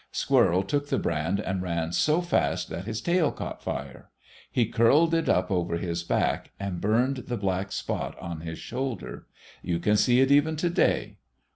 Squirrel took the brand and ran so fast that his tail caught fire. He curled it up over his back, and burned the black spot in his shoulders. You can see it even to day.